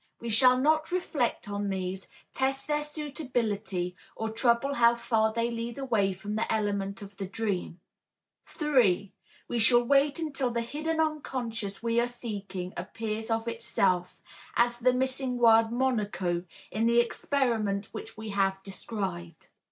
We shall not reflect on these, test their suitability or trouble how far they lead away from the element of the dream. 3. We shall wait until the hidden unconscious we are seeking appears of itself, as the missing word Monaco in the experiment which we have described.